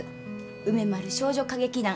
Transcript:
梅丸少女歌劇団